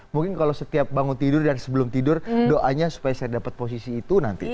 mungkin kalau setiap bangun tidur dan sebelum tidur doanya supaya saya dapat posisi itu nanti